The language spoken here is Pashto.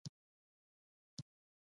هغه غوښتل چې ټولنه پوه شي.